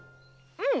うん。